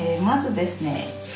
まずですね